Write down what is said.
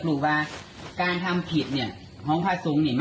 คือมันทำเกินกว่าเหตุ